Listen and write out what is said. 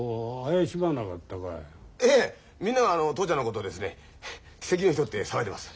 みんな父ちゃんのことをですね奇跡の人って騒いでます。